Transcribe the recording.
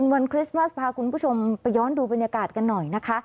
คริสต์มาสพาคุณผู้ชมไปย้อนดูบรรยากาศกันหน่อยนะคะ